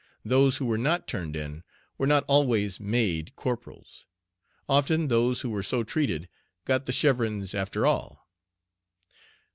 Those who were not "turned in" were not always "made" corporals. Often those who were so treated "got the chevrons" after all.